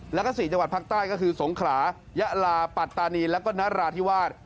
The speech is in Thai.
แล้วก็๔จังหวัดภาคใต้ก็คือสงขลายะลาปัตตานีแล้วก็นราธิวาส